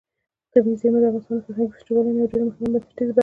طبیعي زیرمې د افغانستان د فرهنګي فستیوالونو یوه ډېره مهمه او بنسټیزه برخه ده.